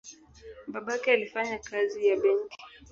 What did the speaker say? Babake alifanya kazi ya benki.